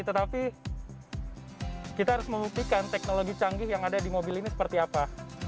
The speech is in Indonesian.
tetapi kita harus membuktikan teknologi canggih yang ada di mobil ini seperti apa